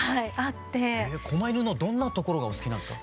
こま犬のどんなところがお好きなんですか？